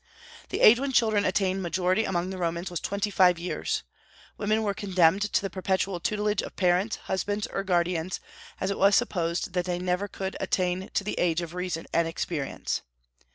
The age when children attained majority among the Romans was twenty five years. Women were condemned to the perpetual tutelage of parents, husbands, or guardians, as it was supposed they never could attain to the age of reason and experience.